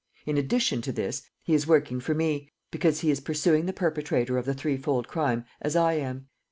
In addition to this, he is working for me, because he is pursuing the perpetrator of the threefold crime as I am.